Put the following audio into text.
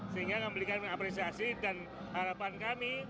sehingga memberikan apresiasi dan harapan kami